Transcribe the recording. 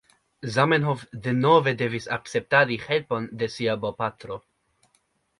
Zamenhof denove devis akceptadi helpon de sia bopatro.